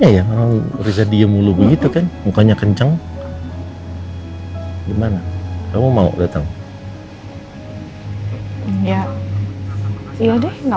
ya kalau riza dia mulu begitu kan mukanya kenceng gimana kamu mau datang ya ya deh nggak